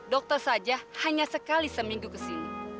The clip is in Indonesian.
dokter saja hanya sekali seminggu ke sini